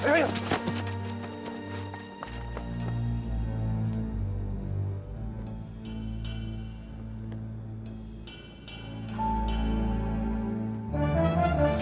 leksi penabur bos